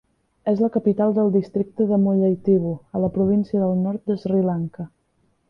És la capital del districte de Mullaitivu a la província del Nord de Sri Lanka.